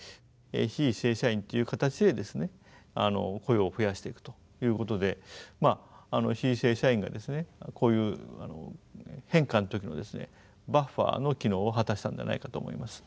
非正社員という形で雇用を増やしていくということで非正社員がこういう変化の時のバッファーの機能を果たしたんじゃないかと思います。